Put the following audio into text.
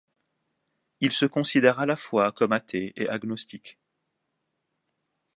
Il se considère à la fois comme athée et agnostique.